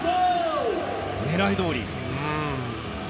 狙いどおり。